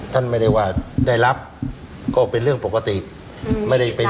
ท่านไม่ได้ว่าได้รับก็เป็นเรื่องปกติไม่ได้เป็น